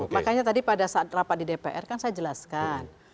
makanya tadi pada saat rapat di dpr kan saya jelaskan